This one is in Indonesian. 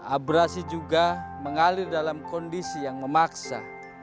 abrasi juga mengalir dalam kondisi yang memaksa